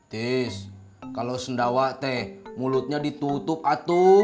tis kalau sendawat teh mulutnya ditutup atuh